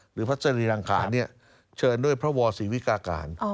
หรือพระศรีรังคารเชิญด้วยพระวอร์ศรีวิกาการ